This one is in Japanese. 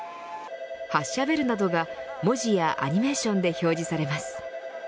発車ベルなどが文字やアニメーションで表示されます。